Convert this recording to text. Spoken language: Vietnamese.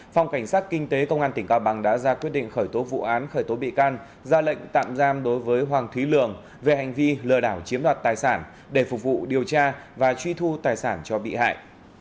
phòng cảnh sát kinh tế công an tỉnh cao bằng đã ra quyết định khởi tố vụ án khởi tố bị can ra lệnh tạm giam đối với hoàng thúy lường về hành vi lừa đảo chiếm đoạt tài sản để phục vụ điều tra và truy thu tài sản cho bị hại